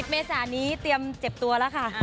เมษานี้เตรียมเจ็บตัวแล้วค่ะ